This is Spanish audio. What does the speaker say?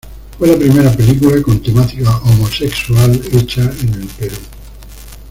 Fue la primera película con temática homosexual hecha en el Perú.